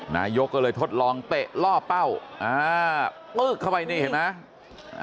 นายกก็เลยทดลองเตะล่อเป้าอ่าปึ๊กเข้าไปนี่เห็นไหม